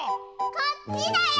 こっちだよ！